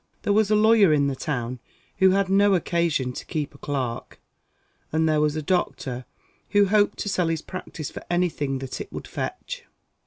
There was a lawyer in the town, who had no occasion to keep a clerk; and there was a doctor who hoped to sell his practice for anything that it would fetch.